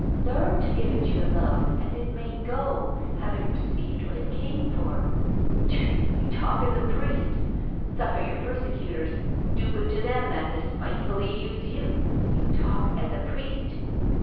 "Learn to give it your love and it may go, hav ing received what it came for." " T'sh ! You talk as a priest. Suffer your per secutors. Do good to them that despitefully use you. You talk as a priest."